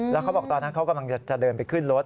แล้วเขาบอกตอนนั้นเขากำลังจะเดินไปขึ้นรถ